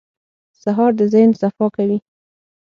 سهار د ذهن صفا کوي.